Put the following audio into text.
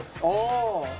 ああ。